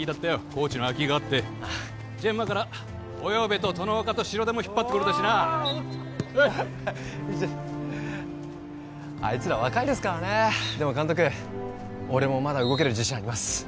コーチの空きがあってジェンマから及部と外岡と城出も引っ張ってこれたしなあいつら若いですからねでも監督俺もまだ動ける自信あります